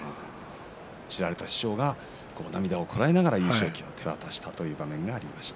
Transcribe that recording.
知られた師匠が涙をこらえながら優勝旗を手渡したという場面がありました。